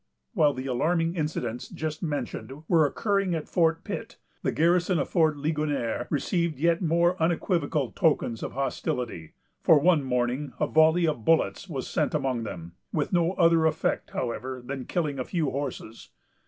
While the alarming incidents just mentioned were occurring at Fort Pitt, the garrison of Fort Ligonier received yet more unequivocal tokens of hostility; for one morning a volley of bullets was sent among them, with no other effect, however, than killing a few horses.